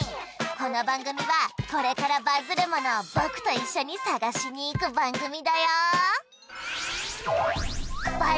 この番組はこれからバズるものをぼくと一緒に探しに行く番組だよ